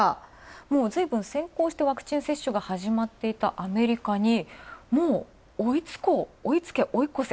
もうずいぶん先行したワクチン接種が始まっていたアメリカに、もう追いつこう、追いつけ追い越せ。